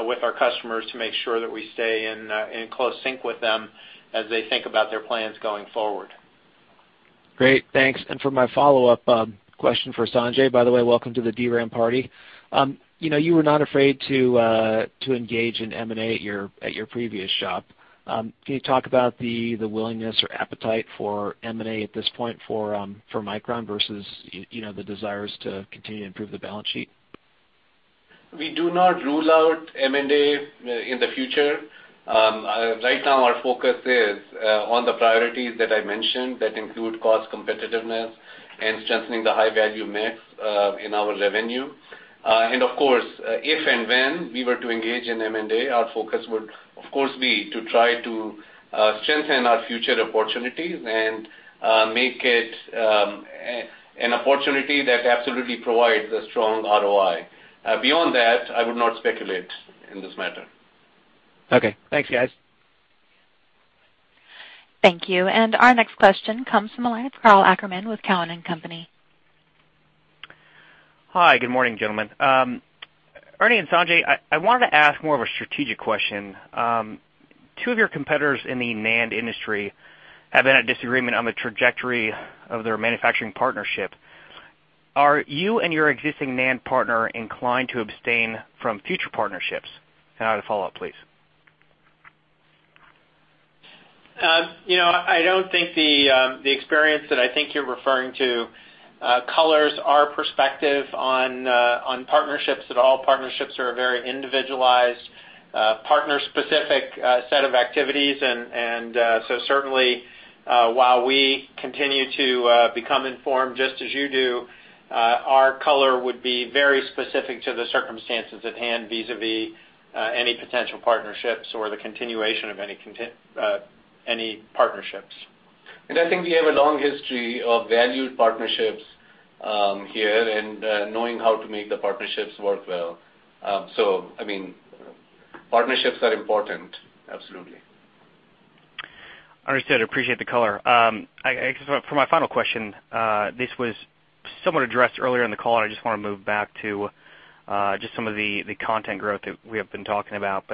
Speaker 4: with our customers to make sure that we stay in close sync with them as they think about their plans going forward.
Speaker 9: Great, thanks. For my follow-up question for Sanjay, by the way, welcome to the DRAM party. You were not afraid to engage in M&A at your previous shop. Can you talk about the willingness or appetite for M&A at this point for Micron versus the desires to continue to improve the balance sheet?
Speaker 3: We do not rule out M&A in the future. Right now, our focus is on the priorities that I mentioned that include cost competitiveness and strengthening the high-value mix in our revenue. Of course, if and when we were to engage in M&A, our focus would, of course, be to try to strengthen our future opportunities and make it an opportunity that absolutely provides a strong ROI. Beyond that, I would not speculate on this matter.
Speaker 9: Okay, thanks, guys.
Speaker 1: Thank you. Our next question comes from the line of Karl Ackerman with Cowen and Company.
Speaker 10: Hi, good morning, gentlemen. Ernie and Sanjay, I wanted to ask more of a strategic question. Two of your competitors in the NAND industry have been at disagreement on the trajectory of their manufacturing partnership. Are you and your existing NAND partner inclined to abstain from future partnerships? I have a follow-up, please.
Speaker 4: I don't think the experience that I think you're referring to colors our perspective on partnerships, that all partnerships are a very individualized, partner-specific set of activities. Certainly, while we continue to become informed, just as you do, our color would be very specific to the circumstances at hand vis-a-vis any potential partnerships or the continuation of any partnerships.
Speaker 3: I think we have a long history of valued partnerships here and knowing how to make the partnerships work well. Partnerships are important, absolutely.
Speaker 10: Understood. Appreciate the color. For my final question, this was somewhat addressed earlier in the call, I just want to move back to just some of the content growth that we have been talking about.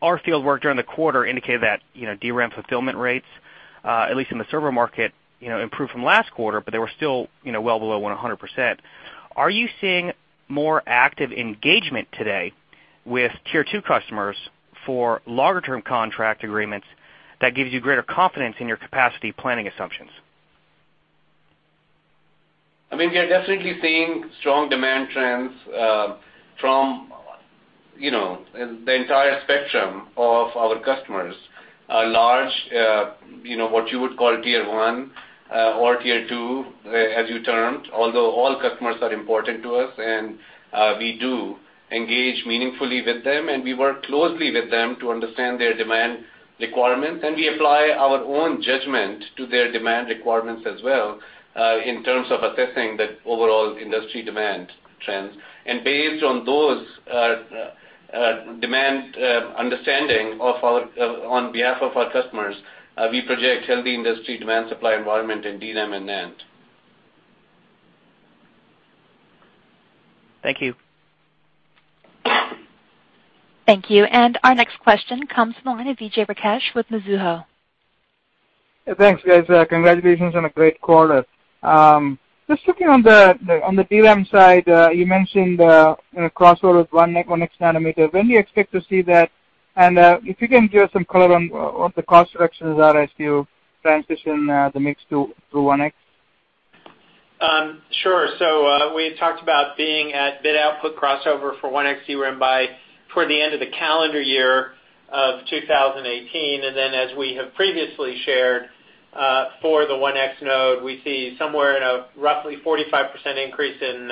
Speaker 10: Our field work during the quarter indicated that DRAM fulfillment rates, at least in the server market, improved from last quarter, but they were still well below 100%. Are you seeing more active engagement today with tier 2 customers for longer-term contract agreements that gives you greater confidence in your capacity planning assumptions?
Speaker 3: We are definitely seeing strong demand trends from the entire spectrum of our customers. Large, what you would call tier 1 or tier 2, as you termed, although all customers are important to us, and we do engage meaningfully with them, and we work closely with them to understand their demand requirements, and we apply our own judgment to their demand requirements as well in terms of assessing the overall industry demand trends. Based on those demand understanding on behalf of our customers, we project healthy industry demand supply environment in DRAM and NAND.
Speaker 10: Thank you.
Speaker 1: Thank you. Our next question comes from the line of Vijay Rakesh with Mizuho.
Speaker 11: Thanks, guys. Congratulations on a great quarter. Just looking on the DRAM side, you mentioned the crossover of 1x nanometer. When do you expect to see that? If you can give some color on what the cost reductions are as you transition the mix to 1X.
Speaker 4: Sure. We had talked about being at bit output crossover for 1x DRAM by toward the end of the calendar year of 2018. As we have previously shared, for the 1x node, we see somewhere in a roughly 45% increase in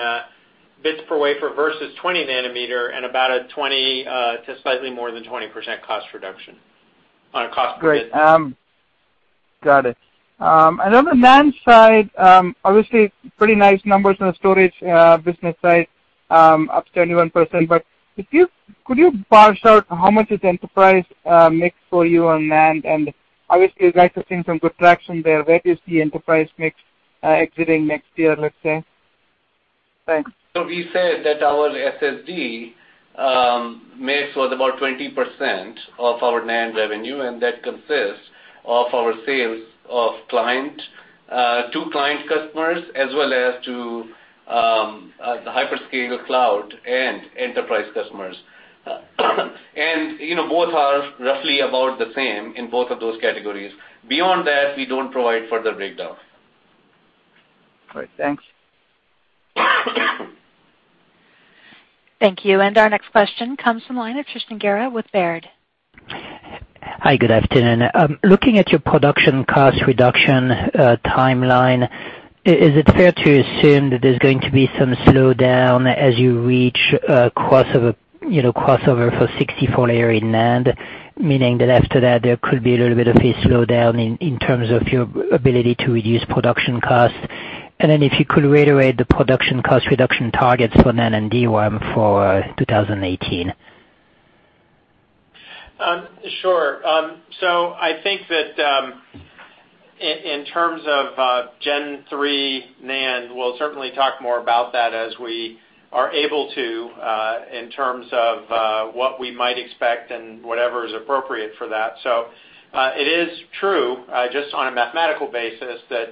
Speaker 4: bits per wafer versus 20 nanometer and about a 20%-slightly more than 20% cost reduction on a cost per bit.
Speaker 11: Great. Got it. On the NAND side, obviously pretty nice numbers on the storage business side, up to 21%. Could you parse out how much is enterprise mix for you on NAND? Obviously, you guys are seeing some good traction there. Where do you see enterprise mix exiting next year, let's say? Thanks.
Speaker 3: We said that our SSD mix was about 20% of our NAND revenue, and that consists of our sales to client customers as well as to the hyperscale cloud and enterprise customers. Both are roughly about the same in both of those categories. Beyond that, we don't provide further breakdown.
Speaker 11: All right. Thanks.
Speaker 1: Thank you. Our next question comes from the line of Tristan Gerra with Baird.
Speaker 12: Hi, good afternoon. Looking at your production cost reduction timeline, is it fair to assume that there's going to be some slowdown as you reach a crossover for 64-layer in NAND, meaning that after that, there could be a little bit of a slowdown in terms of your ability to reduce production costs? If you could reiterate the production cost reduction targets for NAND and DRAM for 2018.
Speaker 4: Sure. I think that in terms of Gen 3 NAND, we'll certainly talk more about that as we are able to, in terms of what we might expect and whatever is appropriate for that. It is true, just on a mathematical basis, that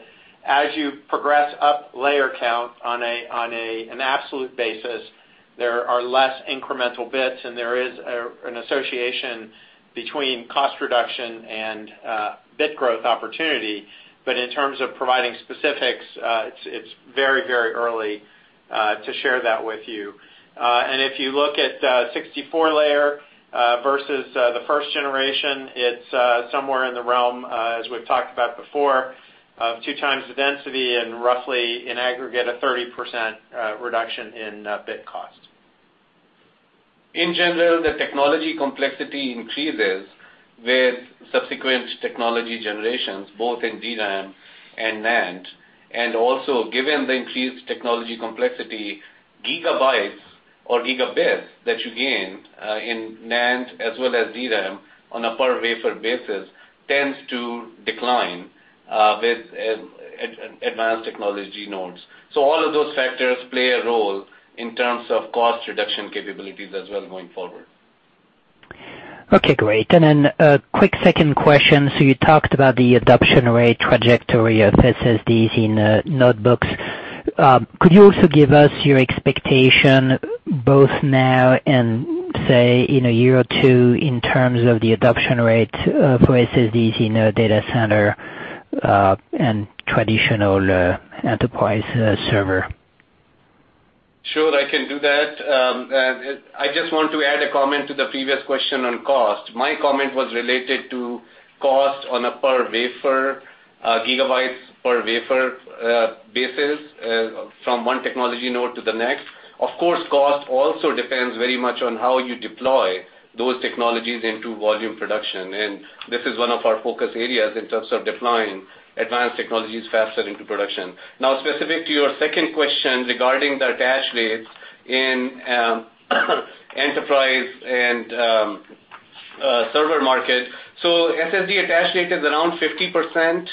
Speaker 4: as you progress up layer count on an absolute basis, there are less incremental bits, and there is an association between cost reduction and bit growth opportunity. In terms of providing specifics, it's very early to share that with you. If you look at 64-layer versus the first generation, it's somewhere in the realm, as we've talked about before, of two times the density and roughly, in aggregate, a 30% reduction in bit cost.
Speaker 3: In general, the technology complexity increases with subsequent technology generations, both in DRAM and NAND. Also, given the increased technology complexity, gigabytes or gigabits that you gain in NAND as well as DRAM on a per wafer basis tends to decline with advanced technology nodes. All of those factors play a role in terms of cost reduction capabilities as well going forward.
Speaker 12: Okay, great. A quick second question. You talked about the adoption rate trajectory of SSDs in notebooks. Could you also give us your expectation both now and, say, in a year or two, in terms of the adoption rate for SSDs in a data center and traditional enterprise server?
Speaker 3: Sure, I can do that. I just want to add a comment to the previous question on cost. My comment was related to cost on a per wafer, gigabytes per wafer basis from one technology node to the next. Of course, cost also depends very much on how you deploy those technologies into volume production. This is one of our focus areas in terms of deploying advanced technologies faster into production. Specific to your second question regarding the attach rates in enterprise and server market. SSD attach rate is around 50%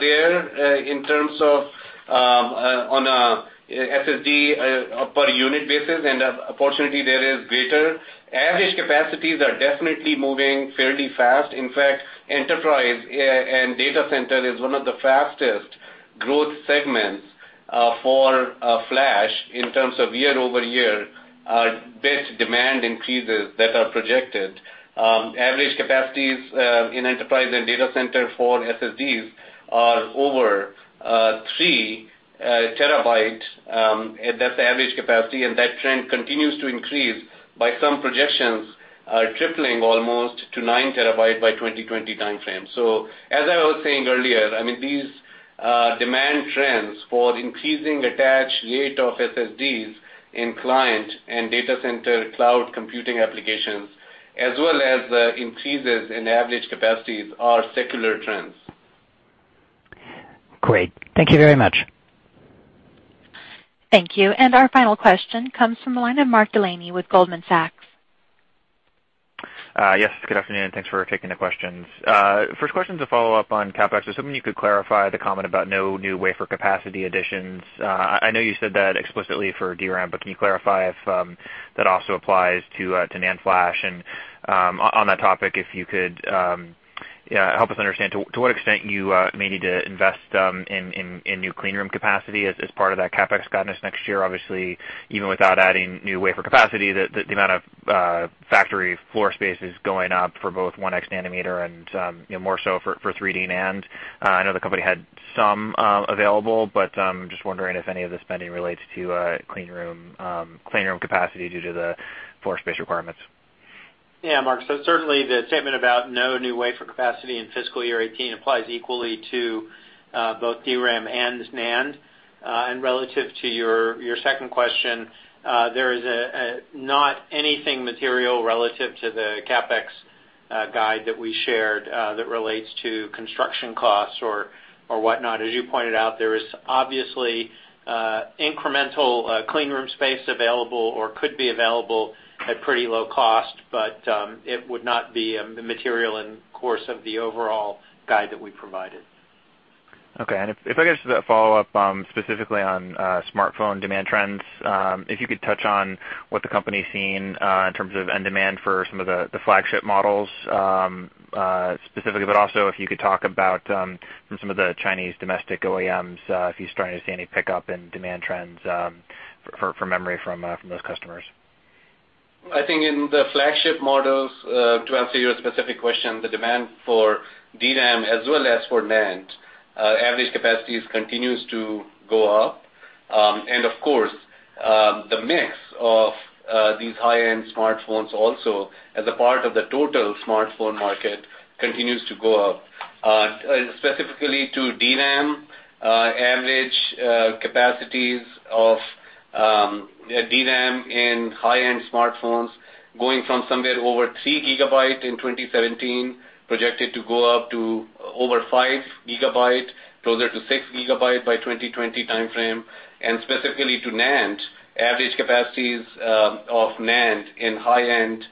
Speaker 3: there in terms of on a SSD per unit basis, and opportunity there is greater. Average capacities are definitely moving fairly fast. In fact, enterprise and data center is one of the fastest growth segments for flash in terms of year-over-year bit demand increases that are projected. Average capacities in enterprise and data center for SSDs are over 3 terabytes. That's the average capacity, and that trend continues to increase by some projections tripling almost to 9 terabytes by 2020 timeframe. As I was saying earlier, these demand trends for increasing attach rate of SSDs in client and data center cloud computing applications, as well as increases in average capacities are secular trends.
Speaker 12: Great. Thank you very much.
Speaker 1: Thank you. Our final question comes from the line of Mark Delaney with Goldman Sachs.
Speaker 13: Yes, good afternoon. Thanks for taking the questions. First question is a follow-up on CapEx. I was hoping you could clarify the comment about no new wafer capacity additions. I know you said that explicitly for DRAM, but can you clarify if that also applies to NAND flash? On that topic, if you could help us understand to what extent you may need to invest in new clean room capacity as part of that CapEx guidance next year. Obviously, even without adding new wafer capacity, the amount of factory floor space is going up for both one X nanometer and more so for 3D NAND. I know the company had some available, but just wondering if any of the spending relates to clean room capacity due to the floor space requirements.
Speaker 4: Yeah, Mark. Certainly the statement about no new wafer capacity in fiscal year 2018 applies equally to both DRAM and NAND. Relative to your second question, there is not anything material relative to the CapEx guide that we shared that relates to construction costs or whatnot. As you pointed out, there is obviously incremental clean room space available or could be available at pretty low cost, but it would not be material in course of the overall guide that we provided.
Speaker 13: Okay. If I could just follow up specifically on smartphone demand trends, if you could touch on what the company's seen in terms of end demand for some of the flagship models specifically, but also if you could talk about some of the Chinese domestic OEMs, if you're starting to see any pickup in demand trends for memory from those customers.
Speaker 3: I think in the flagship models, to answer your specific question, the demand for DRAM as well as for NAND, average capacities continues to go up. Of course, the mix of these high-end smartphones also as a part of the total smartphone market continues to go up. Specifically to DRAM, average capacities of DRAM in high-end smartphones going from somewhere over three gigabytes in 2017, projected to go up to over five gigabytes, closer to six gigabytes by 2020 timeframe. Specifically to NAND, average capacities of NAND in high-end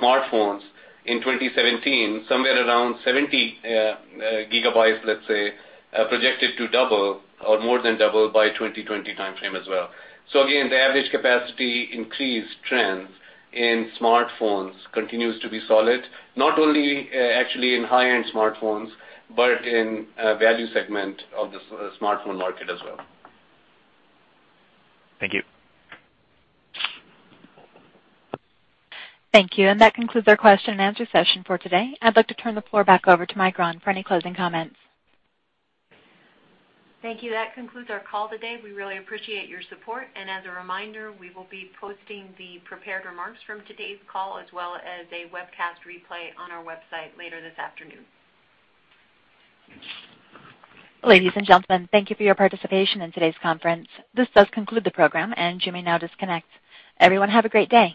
Speaker 3: smartphones in 2017, somewhere around 70 gigabytes, let's say, projected to double or more than double by 2020 timeframe as well. Again, the average capacity increase trends in smartphones continues to be solid, not only actually in high-end smartphones, but in value segment of the smartphone market as well.
Speaker 13: Thank you.
Speaker 1: Thank you. That concludes our question and answer session for today. I'd like to turn the floor back over to Micron for any closing comments.
Speaker 2: Thank you. That concludes our call today. We really appreciate your support. As a reminder, we will be posting the prepared remarks from today's call, as well as a webcast replay on our website later this afternoon.
Speaker 1: Ladies and gentlemen, thank you for your participation in today's conference. This does conclude the program, and you may now disconnect. Everyone, have a great day.